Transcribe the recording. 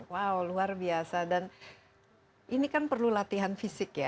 wow luar biasa dan ini kan perlu latihan fisik ya